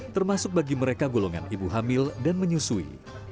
termasuk bagi mereka golongan ibu hamil dan menyusui